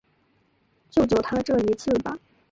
救救他这一次吧